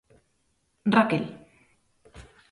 Raquel.